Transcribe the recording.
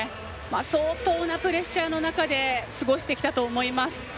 相当なプレッシャーの中で過ごしてきたと思います。